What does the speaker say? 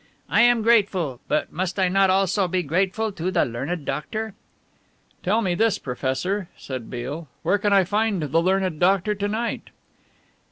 "I am grateful, but must I not also be grateful to the learned doctor?" "Tell me this, professor," said Beale, "where can I find the learned doctor to night?"